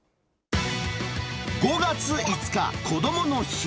５月５日こどもの日。